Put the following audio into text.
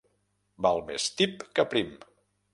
Val més tip que prim.